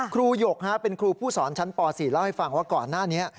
หยกเป็นครูผู้สอนชั้นป๔เล่าให้ฟังว่าก่อนหน้านี้